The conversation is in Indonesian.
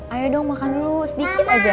ayo dong makan dulu sedikit aja